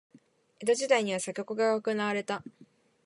江戸時代には鎖国が行われた。